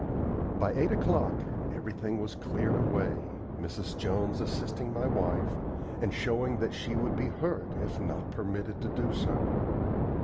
By eight o'clock everything was cleared away, Mrs. Jones assisting my wife, and showing that she would be hurt if not permitted to do so.